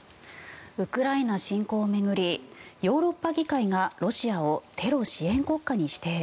ウクライナ侵攻を巡りヨーロッパ議会がロシアをテロ支援国家に指定。